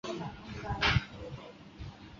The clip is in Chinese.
与黄宗英结婚。